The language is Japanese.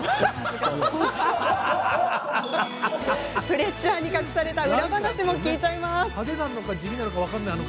プレッシャーに隠された裏話も聞いちゃいます。